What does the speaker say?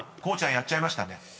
こうちゃんやっちゃいましたね］